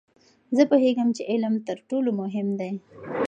زه پوهیږم چې علم تر ټولو مهم دی.